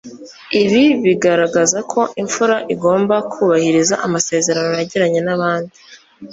ibi bigaragaza ko imfura igomba kubahiriza amasezerano yagiranye n'abandi